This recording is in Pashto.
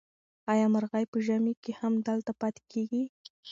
آیا مرغۍ په ژمي کې هم دلته پاتې کېږي؟